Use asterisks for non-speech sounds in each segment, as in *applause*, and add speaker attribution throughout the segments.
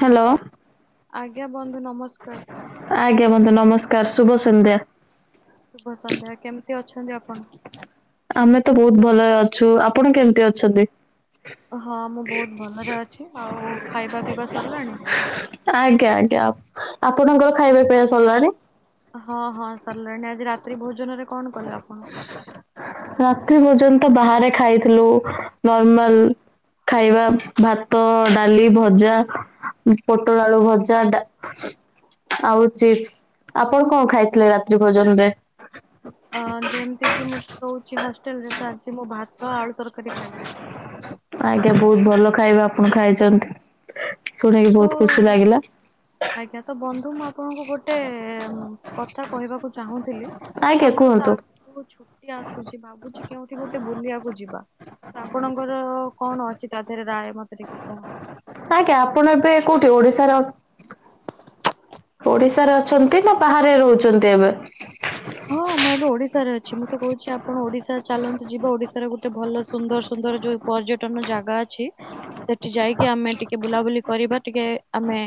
Speaker 1: Hello
Speaker 2: ଆଜ୍ଞା ବନ୍ଧୁ ନମସ୍କାର।
Speaker 1: ଆଜ୍ଞା ବନ୍ଧୁ ନମସ୍କାର ଶୁଭ ସନ୍ଧ୍ୟା।
Speaker 2: ଶୁଭ ସନ୍ଧ୍ୟା କେମିତି ଅଛନ୍ତି ଆପଣ?
Speaker 1: ଆମେ ତ ବହୁତ ଭଲରେ ଅଛୁ। ଆପଣ କେମିତି ଅଛନ୍ତି?
Speaker 2: ହଁ ମୁଁ ବହୁତ ଭଲରେ ଅଛି। ଆଉ ଖାଇବା ପିଇବା ସରିଲାଣି।
Speaker 1: ଆଜ୍ଞା ଆଜ୍ଞା ଆପଣଙ୍କର ଖାଇବା ପିଇବା ସରିଲାଣି।
Speaker 2: ହଁ ହଁ ସରିଲାଣି। ଆଜି ରାତି ଭୋଜନରେ କଣ କଲେ ଆପଣ?
Speaker 1: ରାତ୍ରି ପର୍ଯ୍ୟନ୍ତ ବାହାରେ ଖାଇଥିଲୁ। ନର୍ମାଲ ଖାଇବା ଭାତ, ଡାଲି, ଭଜା ପୋଟଳ ଆଳୁ ଭଜା, ଡା ଆଉ ଚିପ୍ସ। ଆପଣ କଣ ଖାଇଥିଲେ ରାତ୍ରି ଭୋଜନରେ?
Speaker 2: ଅ ଯେମିତି କି ମୁଁ ତ ରହୁଛି ହଷ୍ଟେଲରେ ତ ଆଜି ମୁଁ ଭାତ ଆଳୁ ତରକାରୀ ଖାଇଛି।
Speaker 1: ଆଜ୍ଞା ବହୁତ ଭଲ ଖାଇବା ଆପଣ ଖାଇଛନ୍ତି। ଶୁଣିକି
Speaker 2: ତ
Speaker 1: ବହୁତ ଖୁସି ଲାଗିଲା।
Speaker 2: ଆଜ୍ଞା ତ ବନ୍ଧୁ ମୁଁ ଆପଣଙ୍କୁ ଗୋଟେ କଥା କହିବାକୁ ଚାହୁଁଥିଲି
Speaker 1: ଆଜ୍ଞା କୁହନ୍ତୁ।
Speaker 2: ମୁ ଛୁଟି ଆସୁଛି ଭାବୁଛି କେଉଠି ଗୋଟେ ବୁଲିବାକୁ ଯିବା। ତ ଆପଣଙ୍କର କଣ ଅଛି ତା ଦେହରେ ରାୟ ମତେ ଟିକେ କୁହନ୍ତ।
Speaker 1: ଆଜ୍ଞା ଆପଣ ଏବେ କୋଉଠି ଓଡ଼ିଶାର ଓଡିଶାରେ ଅଛନ୍ତି ନା ବାହାରେ ରହୁଛନ୍ତି ଏବେ?
Speaker 2: ହଁ ମୁଁ ଏବେ ଓଡ଼ିଶାରେ ଅଛି। ମୁଁ ତ କହୁଛି ଆପଣ ଓଡ଼ିଶା ଚାଲନ୍ତୁ ଯିବା ଓଡ଼ିଶାରେ ଗୋଟେ ଭଲ ସୁନ୍ଦର ସୁନ୍ଦର ଯୋଉ ପର୍ଯ୍ୟଟନ ଜାଗା ଅଛି ସେଠି ଯାଇକି ଆମେ ଟିକେ ବୁଲାବୁଲି କରିବା। ଟିକେ ଆମେ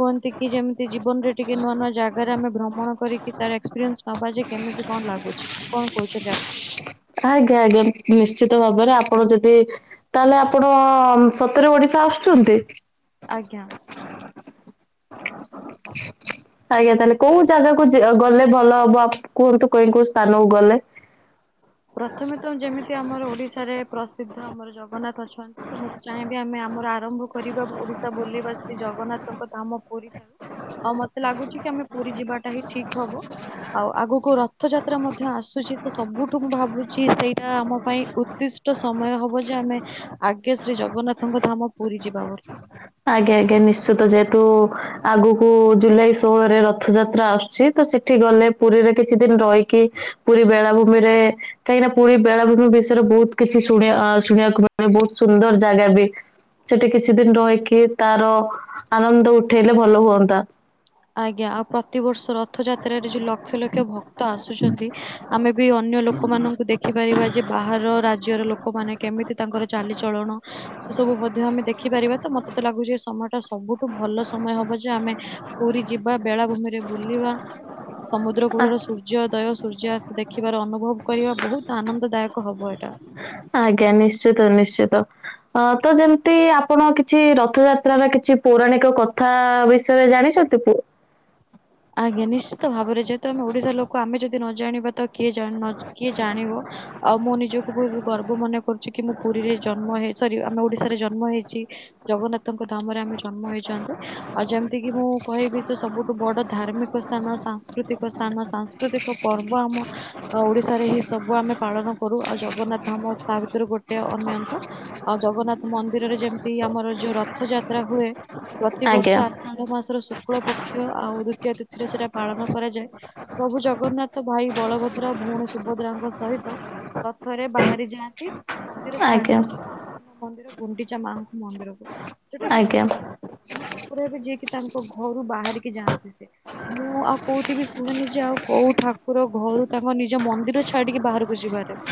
Speaker 2: କୁହନ୍ତି କି ଯେମିତି ଜୀବନରେ ଟିକେ ନୂଆ ନୂଆ ଜାଗାରେ ଆମେ ଭ୍ରମଣ କରିକି ତାର ଏକ୍ସପିରିଏନ୍ସ ନବା ଯେ କେମିତି କଣ ଲାଗୁଛି? କଣ କହୁଛନ୍ତି ଆପଣ?
Speaker 1: ଆଜ୍ଞା ଆଜ୍ଞା ନିଶ୍ଚିତ ଭାବରେ ଆପଣ ଯଦି ତାହେଲେ ଆପଣ ସତରେ ଓଡିଶା ଆସୁଛନ୍ତି।
Speaker 2: ଆଜ୍ଞା।
Speaker 1: ଆଜ୍ଞା ତାହେଲେ କୋଉ ଜାଗାକୁ ଯେ ଗଲେ ଭଲ ହବ ଆପ୍ କୁହନ୍ତୁ କଉଁ କୋଉ ସ୍ଥାନକୁ ଗଲେ?
Speaker 2: ପ୍ରଥମେ ତ ଯେମିତି ଆମର ଓଡ଼ିଶାରେ ପ୍ରସିଦ୍ଧ ଆମର ଜଗନ୍ନାଥ ଅଛନ୍। ତ ମୁଁ ତ ଚାହିଁବି ଆମେ ଆମର ଆରମ୍ଭ କରିବା ଓଡ଼ିଶା ବୁଲିବା ଶ୍ରୀ ଜଗନ୍ନାଥଙ୍କ ତମ ପୁରୀ ଠାରୁ। ଆଉ ମତେ ଲାଗୁଚି କି ଆମେ ପୁରୀ ଯିବାଟା ହିଁ ଠିକ୍ ହବ। ଆଉ ଆଗକୁ ରଥଯାତ୍ରା ମଧ୍ୟ ଆସୁଚି ତ ସବୁ ଠୁକୁ ଭାବୁଚି ସେଇଟା ଆମ ପାଇଁ ଉଦ୍ଦିଷ୍ଟ ସମୟ ହବ ଯେ ଆମେ ଆଗେ ଶ୍ରୀ ଜଗନ୍ନାଥଙ୍କ ଧାମ ପୁରୀ ଯିବା ବୋଲି।
Speaker 1: ଆଜ୍ଞା ଆଜ୍ଞା ନିଶ୍ଚିତ ଯେହେତୁ ଆଗକୁ ଜୁଲାଇ ଷୋହଳରେ ର ଥଯାତ୍ରା ଆସୁଛି ତ ସେଠି ଗଲେ ପୁରୀରେ କିଛି ଦିନ ରହିକି ପୁରୀ ବେଳାଭୂମିରେ କାହିଁକି ନା ପୁରୀ ବେଳାଭୂମି ବିଷୟରେ ବୋହୁତ କିଛି ଶୁଣେ ଆ ଶୁଣିବାକୁ ମିଳେ ବୋହୁତ ସୁନ୍ଦର ଜାଗା ବି। ସେଠି କିଛି ଦିନ ରହିକି ତାର ଆନନ୍ଦ ଉଠେଇଲେ ଭଲ ହୁଅନ୍ତା।
Speaker 2: ଆଜ୍ଞା ଆଉ ପ୍ରତିବର୍ଷ ର ଥଯାତ୍ରାରେ ଯୋଉ ଲକ୍ଷ ଲକ୍ଷ ଭକ୍ତ ଆସୁଛନ୍ତି ଆମେ ବି ଅନ୍ୟ ଲୋକମାନଙ୍କୁ ଦେ ଖିପାରିବା ଯେ ବାହାର ରାଜ୍ୟର ଲୋକମାନେ କେମିତି ତାଙ୍କର ଚାଲିଚଳଣ। ସେ ସବୁ ମଧ୍ୟ ଆମେ ଦେଖିପାରିବା ତ ମତେ ତ ଲାଗୁଚି ଏ ସମୟଟା ସବୁଠୁ ଭଲ ସମୟ ହବ ଯେ ଯେ ଆମେ ପୁରୀ ଯିବା ବେଳାଭୂମିରେ ବୁଲିବା ସମୁଦ୍ର
Speaker 1: ଆ,
Speaker 2: କୂଳର ସୂର୍ ର୍ଯ୍ୟଦୟ ସୂର୍ଯ୍ୟାସ୍ତ ଦେଖିବାର ଅନୁଭବ କରିବା ବୋହୁତ ଆନନ୍ଦଦାୟକ ହବ ଏଟା।
Speaker 1: ଆଜ୍ଞା ନିଶ୍ଚିତ ନିଶ୍ଚିତ। ଅ ତ ଯେମତି ଆପଣ କିଛି ରଥଯାତ୍ରାର କିଛି ପୌରାଣିକ କଥା ବିଷୟରେ ଜାଣି ଚତି ପୁ
Speaker 2: ଆଜ୍ଞା ନିଶ୍ଚିତ ଭାବରେ ଯେହେତୁ ଆମେ ଓଡ଼ିଶା ଲୋକ ଆମେ ଯଦି ନ ଜାଣିବା ତ କିଏ ଜ ନ କିଏ ଜଣିବ? ଆଉ ମୁଁ ନିଜକୁ ବୋହୁତ ଗର୍ବ ମନେ କରୁଛି କି ମୁଁ ପୁରୀରେ ଜନ୍ମ ହେ ସରି ଆମେ ଓଡ଼ିଶାରେ ଜନ୍ମ ହେଇଛି। ଜଗନ୍ନାଥଙ୍କ ନାମରେ ଆମେ ଜନ୍ମ ହେଇଛନ୍ତି ଆଉ ଯେମତି କି ମୁଁ କହିବି ତ ସବୁଠୁ ବଡ଼ ଉମିକ ସ୍ଥାନ ସାଂସ୍କୃତିକ ସ୍ଥାନ ସାଂସ୍କୃତିକ ପର୍ବ ଆମ ଆ ଓଡ଼ିଶାରେ ହିଁ ସବୁ ଆମେ ପାଳନ କରୁ ଆଉ ଜଗନ୍ନାଥ ଧାମ ତା ଭିତରୁ ଗୋଟେ ଅନ୍ୟନ୍ତ। ଆଉ ଜଗନ୍ନାଥ ମନ୍ଦିରରେ ଯେମତି ଆମର ଯୋଉ ରଥଯାତ୍ରା ହୁଏ।
Speaker 1: ଆଜ୍ଞା
Speaker 2: ପ୍ରତିିବର୍ଷ ଆଷାଢ଼ ମାସର ଶୁକ୍ଳ ପକ୍ଷ ଆଉ ଦୁତୀୟା ତିଥିରେ ସେଟା ପାଳନ କରାଯାଏ। ପ୍ରଭୁ ଜଗନ୍ନାଥ ଭାଇ ବଳଭଦ୍ର ଭଉଣୀ ସୁଭଦ୍ରାଙ୍କ ସହିତ ରଥରେ ବାହାରି ଯାଆନ୍ତି। ମନ୍ଦିର ଛାଡ଼ି
Speaker 1: ଆଜ୍ଞା
Speaker 2: ତାଙ୍କ ମାଉସୀମା ମନ୍ଦିର ଗୁଣ୍ଡିଚା ମାଙ୍କୁ ମନ୍ଦିରକୁ। ଯୋଉଟା କି ବୋଧେ
Speaker 1: ଆଜ୍ଞା
Speaker 2: ବିଶ୍ଵର ପ୍ରଥମ ଠାକୁର ହେବେ ଯିଏ କିି ତାଙ୍କ ଘରୁ ବାହାରିକି ଯାଆନ୍ତି ସେ। ମୁଁ ଆଉ କୋଉଠି ବି ଶୁଣୁନି ଯେ ଆଉ କୋଉ ଠାକୁର ଘରୁ ତାଙ୍କ ନିଜ ମନ୍ଦିର ଛାଡିକି ବାହାରକୁ ଯିବାରେ।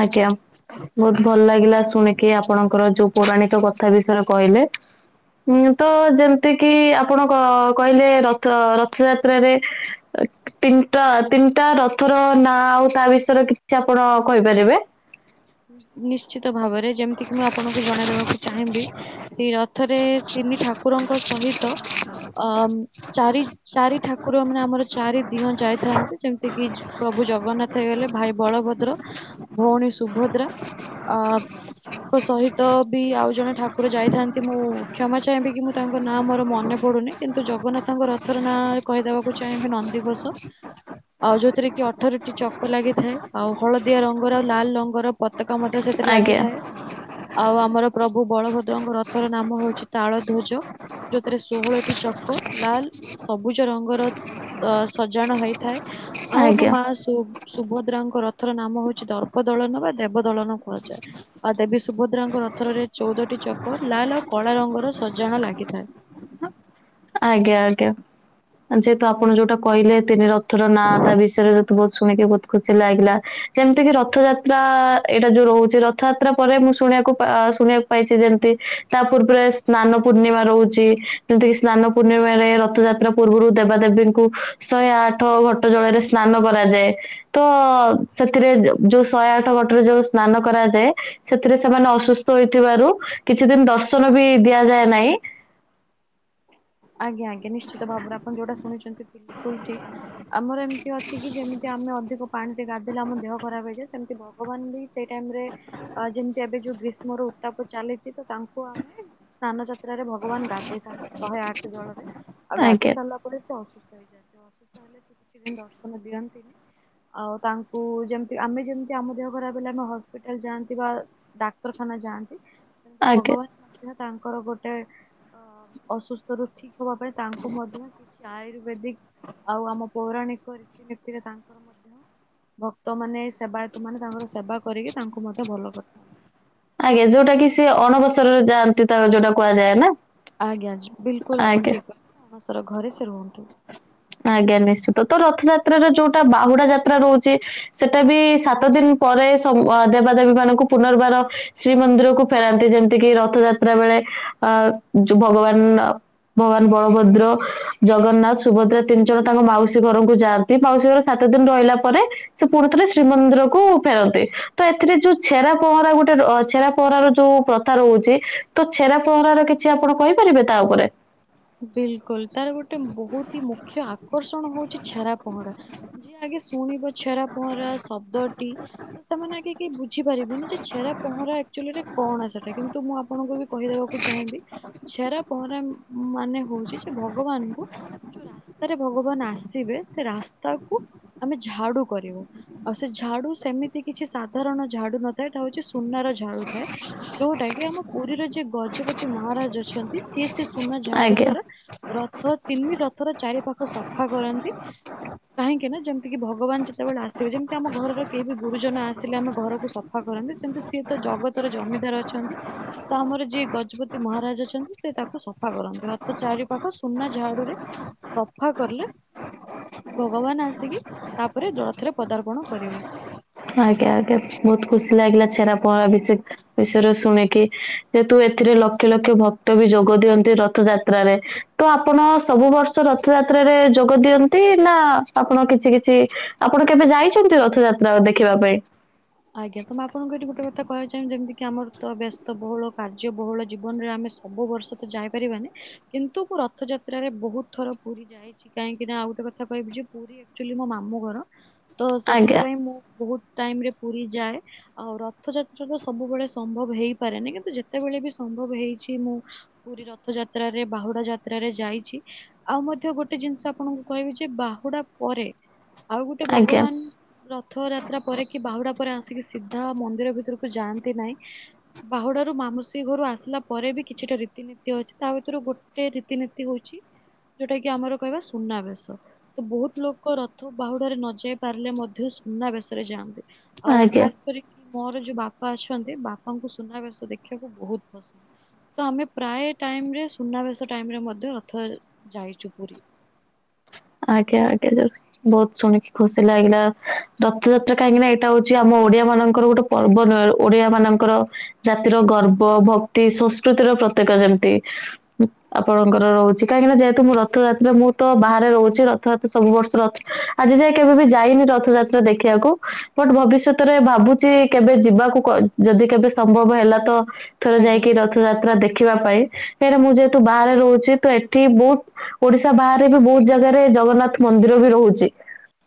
Speaker 1: ଆଜ୍ଞା। ବୋହୁତ ଭଲ ଲାଗିଲା ଶୁଣିକି ଆପଣଙ୍କର ଯୋଉ ପୌରାଣିକ କଥା ବିଷୟରେ କହିଲେ। ହୁଁ ତ ଯେମତି କିି ଆପଣ କ କହିଲେ ରଥ ରଥଯାତ୍ରାରେ ଅ ତିନଟା ତିନଟା ରଥର ନାଁ ଆଉ ତା ବିଷୟରେ କିଛି ଆପଣ କହିପାରିବେ?
Speaker 2: ନି ନିଶ୍ଚିତ ଭାବରେ ଯେମତି କିି ମୁଁ ଆପଣଙ୍କୁ ଜଣେଇଦବାକୁ ଚାହିଁବି ତି ରଥରେ ତିନି ଠାକୁରଙ୍କ ସହିତ ଅମ୍ ଚାରି ଚାରି ଠାକୁର ମାନେ ଆମର ଚାରି ଦିିନଁ ଯାଇଥାନ୍ତି ଯେମତି କିି ପ୍ରଭୁ ଜଗନ୍ନାଥ ହେଇଗଲେ ଭାଇ ବଳଭଦ୍ର ଭଉଣୀ ସୁଭଦ୍ରା ଅ କ ସହିତ ବି ଆଉ ଜଣେ ଠାକୁର ଯାଇଥାନ୍ତି ମୁଁ କ୍ଷମା ଚାହିଁବି କି ମୁଁ ତାଙ୍କ ନାଁ ମୋର ମନେ ପଡୁନି କିନ୍ ତୁ ଜଗନ୍ନାଥଙ୍କ ରଥର ନାଁ କହି ଦବାକୁ ଚାହିଁବି ନନ୍ଦିଘୋଷ। ଆଉ ଯୋଉଥିରେ କି ଅଠରଟି ଚକ ଲାଗିଥାଏ ଆଉ ହଳଦିଆ ରଙ୍ଗର ଆଉ ଲାଲ୍ ର ଙ୍ଗର ପତାକା ମଧ୍ୟ ସେଥିରେ
Speaker 1: ଆଜ୍ଞା
Speaker 2: ଲାଗିଥାଏ। ଆଉ ଆମର ପ୍ରଭୁ ବଳଭଦ୍ରଙ୍କ ରଥର ନାମ ହଉଚି ତାଳଧ୍ୱଜ। ଯୋଉଥିରେ ଷୋହଳଟି ଚକ ଲାଲ୍ ଓ ସବୁଜ ରଙ୍ଗର ସ ସଜାଣ ହେଇଥାଏ। ଆଉ ଆମ
Speaker 1: ଆଜ୍ଞା
Speaker 2: ମା ସୁ ସୁଭଦ୍ରାଙ୍କ ରଥର ନାମ ହଉଚି ଦର୍ପଦଳନ ବା ଦେବଦଳନ କୁହାଯାଏ। ଆଉ ଦେବୀ ସୁଭଦ୍ରାଙ୍କ ରଥରରେ ଚଉଦଟି ଚକର ଲାଲ୍ ଆଉ କଳା ରଙ୍ଗର ସଜାଣ ଲାଗିଥାଏ।
Speaker 1: ଆଜ୍ଞା ଆଜ୍ଞା। ଯେହେତୁ ଆପଣ ଯୋଉଟା କହିଲେ ତିନି ରଥ ର ନାଁ ତା ବିଷୟରେ *unintelligible* ବହୁତ୍ ଶୁଣିକି ବହୁତ୍ ଖୁସି ଲାଗିଲା। ଯେମ୍ତି କିି ରଥଯାତ୍ରା ଏଇଟା ଯୋଉ ରହୁଛି ରଥଯାତ୍ରା ପରେ ମୁଁ ଶୁଣିଆକୁ ପା ଶୁଣିଆକୁ ପାଇଛି ଯେମ୍ତି ତା ପୂର୍ବରେ ସ୍ନାନ ପୂର୍ଣ୍ଣିମା ରହୁଚି ଯେମ୍ତିକି ସ୍ନାନ ପୂର୍ଣ୍ଣିମାରେ ରଥଯାତ୍ରା ପୂର୍ବରୁ ଦେବାଦେବୀଙ୍କୁ ଶହେ ଆଠ ଘଟ ଜଳରେ ସ୍ନାନ କରାଯାଏ। ତ ସେଥିରେ ଯ ଯୋଉ ଶହେ ଆଠ ଘଟରେ ଯୋଉ ସ୍ନାନ କରାଯାଏ ସେଥିରେ ସେମାନେ ଅସୁସ୍ଥ ହୋଇଥିବାରୁ କିଛି ଦିନ୍ ଦର୍ଶନ ବି ଦିଆଯାଏ ନାଇଁ।
Speaker 2: ଆଜ୍ଞା ଆଜ୍ଞା ନିଶ୍ଚିତ ଭାବରେ ଆପଣ ଯୋଉଟା ଶୁଣିଛନ୍ତି ବିଲକୁଲ୍ ଠି ଆମର ଏମ୍ତି ଅଛି କି ଯେମ୍ତି ଆମେ ଅଧିକ ପାଣି ରେ ଗାଧେଇଲେ ଆମ ଦେହ ଖରାପ୍ ହେଇଯାଏ ସେମ୍ତି ଭ ଭଗବାନ ବି ସେଇ ଟାଇମ୍ ରେ ଆ ଯେମ୍ତି ଏବେ ଯୋଉ ଗ୍ରୀଷ୍ମର ଉତ୍ତାପ ଚାଲିଚି ତ ତାଙ୍କୁ ଆମେ ସ୍ନାନ ଯାତ୍ରାରେ ଭଗବାନ୍ ଗାଧେଇଥାନ୍ତି ଶହେ ଆଠ୍ ଜଳରେ ଆଉ ଗାଧେଇ
Speaker 1: ଆଜ୍ଞା
Speaker 2: ସା *unintelligible* *unintelligible* ପରେ ସେ ଅସୁସ୍ଥ ହେଇଯାଆନ୍ତି ଅସୁସ୍ଥ ହେଲେ ସେ କିଛି ଦିନ୍ ଦର୍ଶନ ଦିଅନ୍ତିନି। ଆଉ ତାଙ୍କୁ ଯେମ୍ତି ଆମେ ଯେମ୍ତି ଆମ ଦେହ ଖରାପ୍ ହେଲେ ଆମେ ହସ୍ପିଟାଲ ଯାଆନ୍ତି ବା ଡାକ୍ତରଖାନା ଯାଆନ୍ତି। ସେମ୍ତି
Speaker 1: ଆଜ୍ଞା
Speaker 2: ଭଗବାନ ମଧ୍ୟ ତାଙ୍କର ଗୋଟେ ଅ ଅସୁସ୍ଥ ରୁ ହବା ପାଇଁ ତାଙ୍କୁ ମଧ୍ୟ କିଛି ଆୟୁର୍ବେଦିକ୍ ଆଉ ଆମ ପୌରାଣିକ ରୀତିନୀତିରେ ତାଙ୍କର ମଧ୍ୟ ଭକ୍ତ ମାନେ ସେବାୟତ ମାନେ ତାଙ୍କର ସେବା କରିକି ତାଙ୍କୁ ମଧ୍ୟ ଭଲ କରିଥାନ୍ତି।
Speaker 1: ଆଜ୍ଞା ଯୋଉଟା କି ସିଏ ଅଣବସରରେ ଯାଆନ୍ତି ତା ଯୋଉଟା କୁହାଯାଏ ନା?
Speaker 2: ଆଜ୍ଞା ଯୁ ବିଲକୁଲ୍ ଆପଣ
Speaker 1: ଆଜ୍ଞା
Speaker 2: ଠିକ୍ *unintelligible* ଅଣସର ଘରେ ସେ ରୁହନ୍ତୁ।
Speaker 1: ଆଜ୍ଞା ନିଶ୍ଚିତ ତ ରଥଯାତ୍ର ର ଯୋଉଟା ବାହୁଡା ଯାତ୍ରା ରହୁଚି ସେଟା ବି ସାତ ଦିନ୍ ପରେ ସ ଦେବାଦେବୀ ମାନଙ୍କୁ ପୁନର୍ବାର ଶ୍ରୀମନ୍ଦିରକୁ ଫେରାନ୍ତି ଯେମ୍ତି କିି ରଥ ଯାତ୍ରା ବେଳେ ଅ ଯୁ ଭଗବାନ ଭଗବାନ୍ ବଳଭଦ୍ର ଜଗନ୍ନାଥ୍ ସୁଭଦ୍ରା ତିନି ଜଣ ତାଙ୍କ ମାଉସୀ ଘରଙ୍କୁ ଯାଆନ୍ତି ମାଉସୀ ଘର ସାତ ଦିନ୍ ରହିଲା ପରେ ସେ ପୁରୁ ଥରେ ଶ୍ରୀମନ୍ଦିର କୁ ଫେରନ୍ତି ତ ଏଥିରେ ଯୋଉ ଛେରା ପହଁରା ଗୋଟେ ର ଅ ଛେରା ପହଁରା ର ଯୋଉ ପ୍ର ଥା ରହୁଚି ତ ଛେରା ପହଁରା ର କିଛି ଆପଣ କହିପାରିବେ ତା ଉପରେ?
Speaker 2: ବିଲକୁଲ୍ ତାର ଗୋଟେ ବହୁତି ହି ମୁଖ୍ୟ ଆକର୍ଷଣ ହଉଚି ଛେରା ପହଁରା। ଯିଏ ଆଗେ ଶୁଣିବ ଛେରା ପହଁରା ଶବ୍ଦଟି ତ ସେମାନେ ଆଗେ କେଇ ବୁଝିପାରିବେନି ଯେ ଛେରା ପହଁରା ଆକ୍ଚୁଆଲି ରେ କଣ ସେଟା କିନ୍ତୁ ମୁଁ ଆପଣଙ୍କୁ ବି କହିଦବାକୁ ଚାହିଁବି ଛେରା ପହଁରା ମାନେ ହଉଛି ଯେ ଭଗବାନଙ୍କୁ ଯୋଉ ରାସ୍ତାରେ ଭଗବାନ୍ ଆସିବେ ସେ ରାସ୍ତାକୁ ଆମେ ଝାଡୁ କରିବୁ ଆଉ ସେ ଝାଡୁ ସେମିତି କିଛି ସାଧାରଣ ଝାଡୁ ନ ଥାଏ ଏଇଟା ହଉଛି ସୁନାର ଝାଡୁ ଥାଏ। ଯୋଉଟା କି ଆମ ପୁରୀର ଯେ ଗଜପତି ମହାରାଜ୍ ଅଛନ୍ତି ସିଏ ସେ ସୁନା ଝାଡୁ
Speaker 1: ଆଜ୍ଞା
Speaker 2: ଦ୍ଵାରା ରଥ ତିନି ରଥର ଚାରି ପାଖ ସଫା କରନ୍ତି। କାହିଁକି ନା ଯେମତିି କି ଭଗବାନ ଯେତେବେଳେ ଆସିବେ ଯେମତି ଆମ ଘରର କେହି ବି ଗୁରୁଜନ ଆସିଲେ ଆମେ ଘରକୁ ସ ଫା କରନ୍ତି ସେମତି ସିଏ ତ ଜଗତର ଜମିଦାର ଅଛନ୍ତି। ତ ଆମର ଯିଏ ଗଜପତି ମହାରାଜ ଅଛନ୍ତି ସେ ତା ତ ସଫା କରନ୍ତି ରଥ ଚାରି ପାଖ ସୁନା ଝାଡୁରେ ସଫା କରଲେ ଭଗବାନ ଆସିକି ତାପରେ ଦ ରଥରେ ପଦାର୍ପଣ କରିବେ।
Speaker 1: ଆଜ୍ଞା ଆଜ୍ଞା ଛ୍ ବହୁତ ଖୁସି ଲାଗିଲା ଛେରା ପହଁରା ବିଷି ବିଷୟରେ ଶୁଣିକି ଯେହେତୁ ଏଥିରେ ଲକ୍ଷ ଲକ୍ଷ ଭକ୍ତ ବି ଯୋଗ ଦିଅନ୍ତି ରଥଯାତ୍ରାରେ ତ ଆପଣ ସବୁ ବର୍ଷ ରଥଯାତ୍ରାରେ ଯୋଗ ଦିଅନ୍ତି ନା ଆପଣ କିଛି କିଛି ଆପଣ କେବେ ଯାଇଛନ୍ତି ରଥଯାତ୍ରା ଦେଖିବା ପାଇଁ?
Speaker 2: ଆଜ୍ଞା ତ ମୁଁ ଆପଣଙ୍କୁ ଏଇଠି ଗୋଟେ କଥା କହିବା ଚାହିଁବି ଯେମତିି କି ଆମର ତ ବ୍ୟସ୍ତ ବୋହୁଳ କାର୍ଯ୍ୟ ବୋହୁଳ ଜୀବନରେ ଆମେ ସବୁ ବର୍ଷ ତ ଯାଇ ପାରିବାନି କିନ୍ତୁ ମୁଁ ରଥଯାତ୍ରାରେ ବୋହୁତ ଥର ପୁରୀ ଯାଇ ଇଚି କାହିଁକି ନା ଆଉ ଗୋଟେ କହିବି ଯେ ପୁରୀ ଏକ୍ଟୁଆଲି ମୋ ମାମୁଁ ଘର। ତ
Speaker 1: ଆଜ୍ଞା
Speaker 2: ସେଥିପାଇଁ ମୁଁ ବୋହୁତ ଟାଇମ୍ ରେ ପୁରୀ ଯାଏ। ଆଉ ରଥଯାତ୍ରା ତ ସବୁବେଳେ ସମ୍ଭବ ହେଇପାରେନି କିନ୍ତୁ ଯେତେବେଳେ ବି ସମ୍ଭବ ହେଇଛି ମୁଁ ପୁରୀ ରଥଯାତ୍ରାରେ ବାହୁଡା ଯାତ୍ରାରେ ଯାଇଚି। ଆଉ ମଧ୍ୟ ଗୋଟେ ଜିନିଷ ଆପଣଙ୍କୁ କହିବି ଯେ ବାହୁଡ଼ା ପରେ ଆଉ ଗୋଟେ
Speaker 1: ଆଜ୍ଞା
Speaker 2: ଭଗବାନ ରଥଯାତ୍ରା ପରେ କି ବାହୁଡା ପରେ ଆସିକି ସିଧା ମନ୍ଦିର ଭିତରୁକୁ ଯାଆନ୍ତି ନାହିଁ। ବାହୁଡାରୁ ମାମୁସୀ ଘରୁ ଆସିଲା ପରେ ବି କିଛିଟା ରୀତିନୀତି ଅଛି ତା ଭିତରୁ ଗୋ ଟେ ରୀତିନୀତି ହୋଉଚି ଯୋଉଟା କି ଆମର କହିବା ସୁନାବେଶ। ତ ବୋହୁତ ଲୋକ ରଥ ବାହୁଡାରେ ନ ଯାଇ ପାରିଲେ ମଧ୍ୟ ସୁନାବେଶରେ ଯାଆନ୍ତି। ଆଉ
Speaker 1: ଆଜ୍ଞା
Speaker 2: ଖାସ କରିକି ମୋର ଯୋଉ ବାପା ଅଛନ୍ତି ବାପାଙ୍କୁ ସୁନାବେଶ ଦେଖିବାକୁ ବହୁତ ପସନ୍ଦ। ତ ଆମେ ପ୍ରାୟ ଟାଇମ୍ ରେ ସୁନାବେଶ ଟାଇମ୍ ରେ ମଧ୍ୟ ରଥ ଯାଇଚୁ ପୁରୀ।
Speaker 1: ଆଜ୍ଞା ଆଜ୍ଞା ଯାଉ ବୋହୁତ ଶୁଣିକି ଖୁସି ଲାଗିଲା ରଥଯାତ୍ରା କାହିଁକି ନା ଏଇଟା ହଉଚି ଆମ ଓଡ଼ିଆମାନଙ୍କର ଗୋଟେ ପର୍ବ ନୁଏ ଓଡ଼ିଆମାନଙ୍କର ଜାତିର ଗର୍ବ ଭକ୍ତି ସଂସ୍କୃତିର ପ୍ରତୀକ ଯେମତି। ଉଁ ଆପଣଙ୍କର ରହୁଚି କାହିଁକି ନା ଯେହେତୁ ମୁଁ ରଥଯାତ୍ରା ମୁଁ ତ ବାହାରେ ରହୁ ଚି ରଥଯାତ୍ରା ସବୁ ବର୍ଷ ର ଆଜି ଯାଏ କେବେ ବି ଯାଇନି ରଥଯାତ୍ରା ଦେଖିଆକୁ। ବଟ ଭବିଷ୍ୟତରେ ଭାବୁଚି କେବେ ଯିବାକୁ କ ଯଦି କେବେ ସମ୍ଭବ ହେଲା ତ। ଥରେ
Speaker 2: ଆଜ୍ଞା
Speaker 1: ଯାଇକି ରଥଯାତ୍ରା ଦେଖିବା ପାଇଁ କାହିଁକି ନା ମୁଁ ଯେହେତୁ ବାହାରେ ରହୁଚି ତ ଏଠି ବୋହୁ ଓଡ଼ିଶା ବାହାରେ ବି ବୋହୁତ ଜାଗାରେ ଜଗନ୍ନାଥ ମନ୍ଦିର ବି ରହୁଚି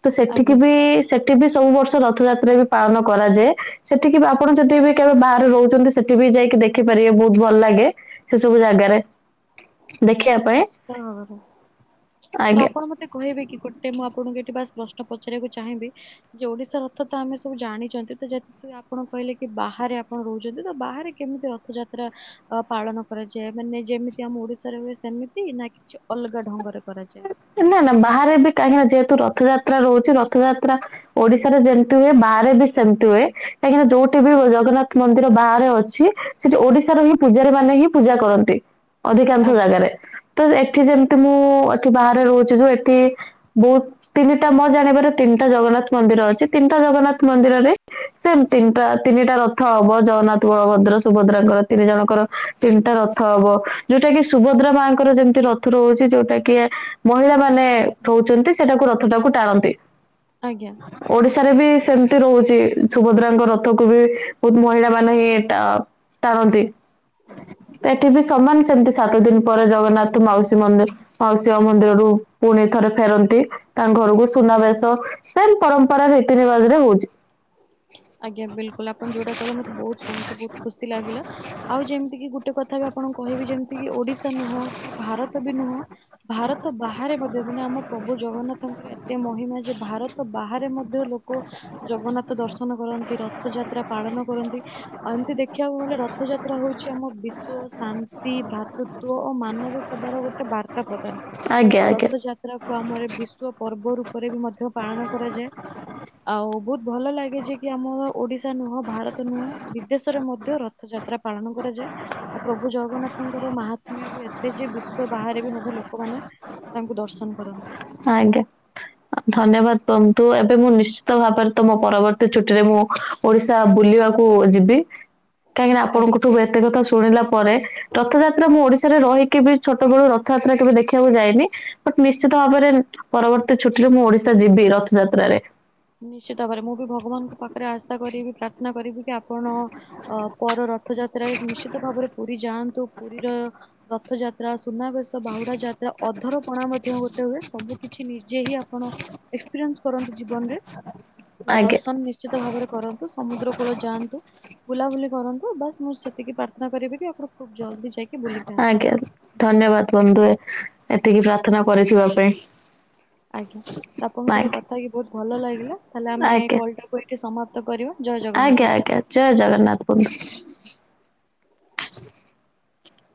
Speaker 1: ତ ସେଠିକି
Speaker 2: ଆଜ୍ଞା
Speaker 1: ବି ସେ ଠି ବି ସବୁ ବର୍ଷ ରଥଯାତ୍ରା ବି ପାଳନ କରାଯାଏ ସେଠିକି ବି ଆପଣ ଯଦି ବି କେବେ ବାହାରେ ରହୁଚନ୍ତି ସେଠି ବି ଯାଇକି ଦେ ଖିପାରିବେ ବୋହୁତ ଭଲ ଲାଗେ ସେ ସବୁ ଜାଗାରେ। ଦେଖିବା ପାଇଁ
Speaker 2: ନିଶ୍ଚିତ
Speaker 1: ଆଜ୍ଞା।
Speaker 2: ଅ ମତେ କହିବେ କି ଗୋଟେ ମୁଁ ଆପଣଙ୍କୁ ଏଠି ବାସ୍ ପ୍ରଶ୍ନ ପଚାରିବାକୁ ଚାହିଁବି। ଯେ ଓଡ଼ିଶା ରଥ ତ ଆମେ ସବୁ ଜାଣିଚନ୍ତି ତ ଯେତେତୁ ଆପଣ କହିଲେ କି ବାହାରେ ଆପଣ ରହୁଚନ୍ତି ତ ବାହାରେ କେମିତି ର ଥଯାତ୍ରା ଅ ପାଳନ କରାଯାଏ ମାନେ ଯେମିତି ଆମ ଓଡିଶାରେ ହୁଏ ସ୍ ସେମିତି ନାଁ କିଛି ଅଲଗା ଢଙ୍ଗରେ କରାଯାଏ?
Speaker 1: ନାଁ ନାଁ ବାହାରେ ବି କାହିଁକି ନା ଯେହେତୁ ରଥଯାତ୍ରା ରହୁଚି ରଥଯାତ୍ରା ଓଡ଼ିଶାରେ ଯେମତି ହୁଏ ବାହାରେ ବି ସେମତି ହୁଏ କାହିଁକି ନା ଯୋଉଠି ବି ଜଗନ୍ନାଥ ମନ୍ଦିର ବାହାରେ ଅଛି ସେଠି ଓଡ଼ିଶାର ହିଁ ପୂଜାରୀ ମାନେ ହିଁ ପୂଜା କରନ୍ତି। ଅଧିକାଂଶ
Speaker 2: ଆଜ୍ଞା
Speaker 1: ଜାଗାରେ ତ ଏଠି ଯେମତି ମୁଁ ଏଠି ବାହାରେ ରହୁଚି ଯୋଉ ଏଠି ବୋହୁ ତିନିଟା ମୋ ଜାଣିବାର ତିନିଟା ଜଗନ୍ନାଥ ମନ୍ଦିର ଅଛି ତିନିଟା ଜଗନ୍ନାଥ ମନ୍ଦିରରେ ସେମ ତିନିଟା ତିନିଟା ରଥ ହବ ଜଗନ୍ନାଥ ବଳଭଦ୍ର ସୁଭଦ୍ରାଙ୍କର ତିନି ଜଣଙ୍କର ତିନିଟା ରଥ ହବ ଯୋଉଟା କି ସୁଭଦ୍ରା ମା ଙ୍କର ଯେମିତି ରଥ ରହୁଛି ଯୋଉଟା କି ମହିଳା ମାନେ ରହୁଛନ୍ତି ସେଟାକୁ ରଥଟାକୁ ଟାଣନ୍ତି
Speaker 2: ଆଜ୍ଞା
Speaker 1: ଓଡିଶାରେ ବି ସେମତି ରହୁଛି ସୁଭଦ୍ରାଙ୍କ ରଥକୁ ବି ବହୁତ ମହିଳା ମାନେ ହିଁ ଏଟା ଟାଣନ୍ତି ଏଠି ବି ସମାନ ସେମିତି ସାତ ଦିନ ପରେ ଜଗନ୍ନାଥ ମାଉସୀ ମନ୍ଦିର ମାଉସୀ ଶିବ ମନ୍ଦିରରୁୁ ପୁଣି ଥରେ ଫେରନ୍ତି ତାଙ୍କ ଘରକୁ ସୁନାବେଶ ସେମ ପରମ୍ପରା ରୀତି ରିବାଜ ରେ ହଉଛି
Speaker 2: ଆଜ୍ଞା ବିଲକୁଲ ଆପଣ ଯୋଉଟା କହିଲେ ମତେ ବହୁତ ଶୁଣିକି ବହୁତ ଖୁସି ଲାଗିଲା ଆଉ ଯେମିତିକି ଗୋଟେ ଟେ କଥା ବି ଆପଣ କହିଵି ଯେମିତି କି ଓଡିଶା ନୁହଁ କି ଭାରତ ବି ନୁହଁ ଭାରତ ବାହାରେ ମଧ୍ୟ ମାନେ ଆମ ପ୍ରଭୁ ଜଗନ୍ନାଥଙ୍କର ଏତେ ମହିମା ଯେ ଭାର ତ ବାହାରେ ମଧ୍ୟ ଲୋକ ଜଗନ୍ନାଥ ଦର୍ଶନ କରନ୍ତି ରଥଯାତ୍ରା ପାଳନ କରନ୍ତି ଆଉ ଏମିତି ଦେଖିବାକୁ ଗଲେ ର ଥଯାତ୍ରା ହେଉଛି ଆମ ବିଶ୍ୱ ଶାନ୍ତି ଭ୍ରାତୃତ୍ୱ ଓ ମାନବ ସେବାର ଗୋଟେ ବାର୍ ତା ପ୍ରଦାନ କରେ
Speaker 1: ଆଜ୍ଞା
Speaker 2: ଆଉ
Speaker 1: ଆଜ୍ଞା
Speaker 2: ରଥଯାତ୍ରା କୁ ଆମର ବିଶ୍ଵ ପର୍ବ ରୂପରେ ବି ମଧ୍ୟ ପାଳନ କରାଯାଏ ଆଉ ବହୁତ ଭଲ ଲାଗେ ଯେ କି ଆମର ଓଡିଶା ନୁହଁ ଭାରତ ନୁହଁ ବିଦେଶରେ ମଧ୍ୟ ରଥଯାତ୍ରା ପାଳନ କରାଯାଏ ଆଉ ପ୍ରଭୁ ଜଗନ୍ନାଥଙ୍କର ମହାତ୍ମ୍ୟ ବି ଏତେ ଯେ ବିଶ୍ଵ ବାହାରେ ବି ମଧ୍ୟ ଲୋକମାନେ ତାଙ୍କୁ ଦର୍ଶନ କରନ୍ତି
Speaker 1: ଆଜ୍ଞା ଧନ୍ୟବାଦ ତମକୁ ଏବେ ମୁଁ ନିଶ୍ଚିତ ଭାବରେ ତମୋ ପରବର୍ତ୍ତୀ ଛୁଟିରେ ମୁଁ ଓଡିଶା ବୁଲିବାକୁ ଯିବି କାହିଁକିନା
Speaker 2: ଆଜ୍ଞା
Speaker 1: ଆପଣଙ୍କଠୁ ଏତେ କଥା ଶୁଣିଲା ପରେ ରଥଯାତ୍ରା ମୁଁ ଓଡିଶାରେ ରହିକି ବି ଛୋଟ ବେଳୁ ରଥଯାତ୍ରା କେବେ ଦେଖିବାକୁ ଯାଏନି ବଟ ନିଶ୍ଚିତ ଭାବରେ ପରବର୍ତ୍ତୀ ଛୁଟିରେ ମୁଁ ଓଡିଶା ଯିବି ରଥଯାତ୍ରାରେ
Speaker 2: ନିଶ୍ଚିତ ଭାବରେ ମୁଁ ବି ଭଗବାନଙ୍କ ପାଖରେ ଆଶା କରିବି ପ୍ରାର୍ଥନା କରିବି କି ଆପଣ ଅ ପର ରଥ ଯାତ୍ରାରେ ନିଶ୍ଚିତ ଭାବରେ ପୁରୀ ଯାଆନ୍ତୁ ପୁରୀର ରଥଯାତ୍ରା ସୁନାବେଶ ବାହୁଡା ଯାତ୍ରା ଅଧରପଣା ମଧ୍ୟ ଗୋଟେ ହୁଏ ସବୁ କିଛି ନିଜେ ହିଁ ଆପଣ ଏକ୍ସପିରିଏନ୍ସ କରନ୍ତୁ ଜୀବନ ରେ
Speaker 1: *inaudible*
Speaker 2: ଆଉ
Speaker 1: ଆଜ୍ଞା
Speaker 2: ଦର୍ଶନ ନିଶ୍ଚିତ ଭାବରେ କରନ୍ତୁ ସମୁଦ୍ର କୂଳ ଯାଆନ୍ତୁ ବୁଲାବୁଲି କରନ୍ତୁ ବାସ୍ ମୁଁ ସେତିକି ପ୍ରାର୍ଥନା କରିବି କି ଆପଣ ଖୁବ ଜଲଦି ଯାଇକି ବୁଲିକି
Speaker 1: ଆଜ୍ଞା
Speaker 2: ଆସନ୍ତୁ।
Speaker 1: ଆଜ୍ଞା ଧନ୍ୟବାଦ ବନ୍ଧୁ ଏତିକି ପ୍ରାର୍ଥନା କରିିଥିବା ପାଇଁ
Speaker 2: ଆଜ୍ଞା ଆପଣଙ୍କ ସହିତ
Speaker 1: ଆଜ୍ଞା
Speaker 2: କଥା ହେଇକି ବହୁତ ଭଲ ଲାଗିଲା ତାହେଲେ ଆମେ
Speaker 1: ଆଜ୍ଞା
Speaker 2: କଲ ଟା କୁ ଏ ଏଠି ସମାପ୍ତ କରିବା ଜୟ
Speaker 1: ଆଜ୍ଞା
Speaker 2: ଜଗନ୍ନାଥ ବନ୍ଧୁ
Speaker 1: ଆଜ୍ଞା ଜୟ ଜଗନ୍ନାଥ ବନ୍ଧୁ